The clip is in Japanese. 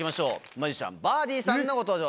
マジシャンバーディーさんのご登場です。